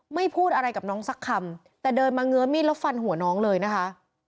พูดอะไรกับน้องสักคำแต่เดินมาเงื้อมีดแล้วฟันหัวน้องเลยนะคะ